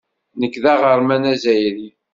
Nekk d aɣerman azzayri.